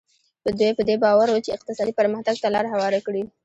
دوی په دې باور وو چې اقتصادي پرمختګ ته لار هواره کړي.